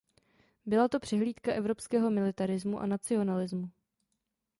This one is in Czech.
Byla to přehlídka evropského militarismu a nacionalismu.